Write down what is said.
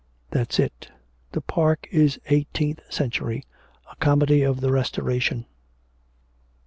'That's it; the park is eighteenth century, a comedy of the restoration.'